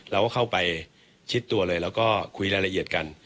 เราก็เข้าไปชิดตัวเลยแล้วก็คุยรายละเอียดกัน